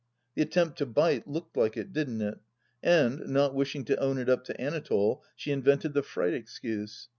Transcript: The attempt to bite looked like it, didn't it ? And, not wishing to own it up to Anatole, she invented the fright excuse.